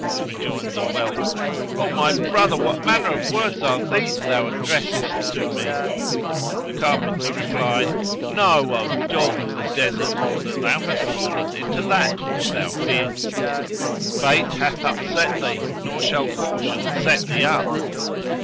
Rejoined the whelp, 'O my brother, what manner of words are these thou addresses" to me?' The carpenter replied 'know, O dog of the desert! that thou hast fa]len into that which thou fearedst: Fate hath upset thee, nor shall caution set thee up.